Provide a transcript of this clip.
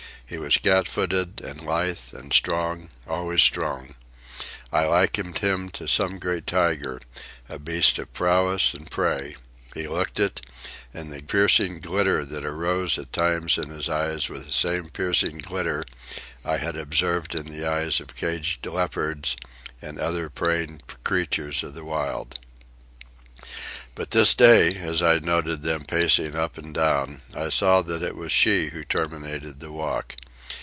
He was cat footed, and lithe, and strong, always strong. I likened him to some great tiger, a beast of prowess and prey. He looked it, and the piercing glitter that arose at times in his eyes was the same piercing glitter I had observed in the eyes of caged leopards and other preying creatures of the wild. But this day, as I noted them pacing up and down, I saw that it was she who terminated the walk.